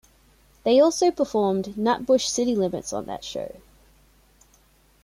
They also performed "Nutbush City Limits" on that show.